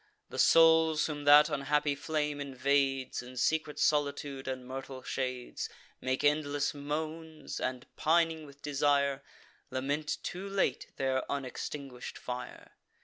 The souls whom that unhappy flame invades, In secret solitude and myrtle shades Make endless moans, and, pining with desire, Lament too late their unextinguish'd fire.